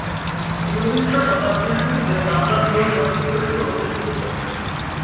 উনবিংশ শতাব্দীর শুরুতে বাংলা প্রহসন বিকশিত হতে শুরু করে।